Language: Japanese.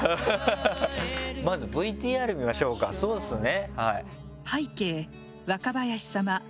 まずＶＴＲ見ましょうかそうですね。